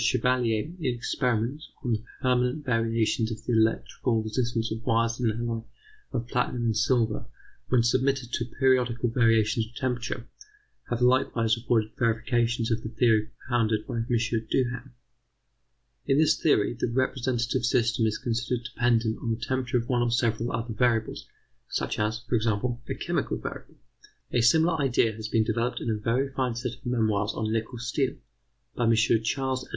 Chevalier in experiments on the permanent variations of the electrical resistance of wires of an alloy of platinum and silver when submitted to periodical variations of temperature, have likewise afforded verifications of the theory propounded by M. Duhem. In this theory, the representative system is considered dependent on the temperature of one or several other variables, such as, for example, a chemical variable. A similar idea has been developed in a very fine set of memoirs on nickel steel, by M. Ch. Ed.